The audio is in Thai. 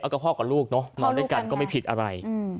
แล้วก็พ่อกับลูกเนอะนอนด้วยกันก็ไม่ผิดอะไร